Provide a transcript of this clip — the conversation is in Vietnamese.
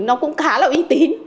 nó cũng khá là uy tín